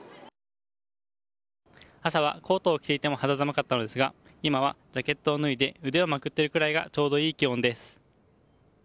朝はコートを着ていても肌寒かったのですが今は、ジャケットを脱いで腕をまくっているくらいがちょうどいい気温です。